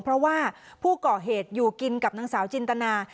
เพราะว่าผู้ก่อเหตุอยู่กินกับนางสาวจินตนา